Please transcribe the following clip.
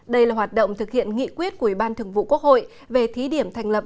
đây là hoạt động thực hiện nghị quyết của ủy ban thường vụ quốc hội về thí điểm thành lập